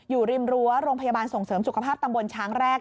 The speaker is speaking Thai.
อยู่ริมรั้วโรงพยาบาลส่งเสริมสุขภาพตำบลช้างแรก